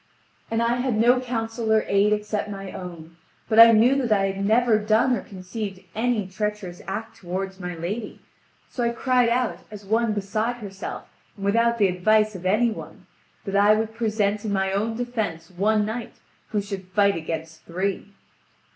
And I had no counsel or aid except my own; but I knew that I had never done or conceived any treacherous act toward my lady, so I cried out, as one beside herself, and without the advice of any one, that I would present in my own defence one knight who should fight against three.